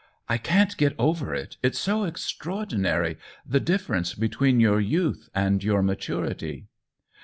" I can't get over it, it's so extraordi nary — the difference between your youth and your maturity